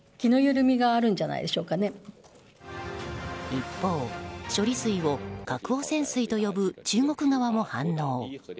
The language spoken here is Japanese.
一方、処理水を核汚染水と呼ぶ中国側も反応。